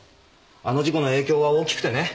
あの事故の影響が大きくてね。